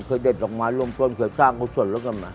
เคยเด็ดลงไม้ร่มต้นเคยสร้างของส่วนแล้วกันมา